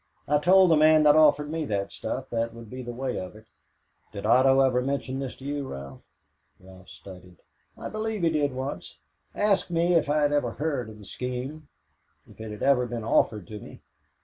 I told the man that offered me that stuff that would be the way of it." "Did Otto ever mention this to you, Ralph?" Ralph studied. "I believe he did once asked me if I had ever heard of the scheme if it had ever been offered to me.